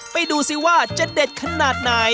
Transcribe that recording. ดูสิว่าจะเด็ดขนาดไหน